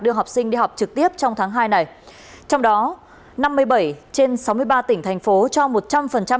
đưa học sinh đi học trực tiếp trong tháng hai này trong đó năm mươi bảy trên sáu mươi ba tỉnh thành phố cho một trăm linh